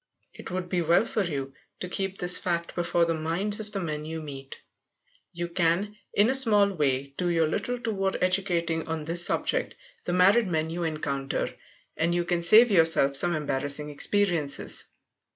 It would be well for you to keep this fact before the minds of the men you meet. You can, in a small way, do your little toward educating on this subject the married men you encounter. And you can save yourself some embarrassing experiences.